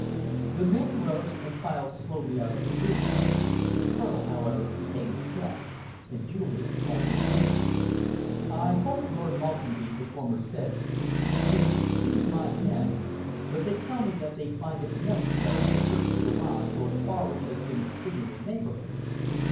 The men rose and filed slowly out of the room. The Colonel, however, detained his host, and Julian also lingered. "I hope, Lord Maltenby," the former said, "that you will excuse my men, but they tell me that they find it necessary to search your garage for a car which has been seen in the neighbourhood."